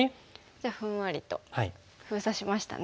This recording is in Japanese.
じゃあふんわりと封鎖しましたね。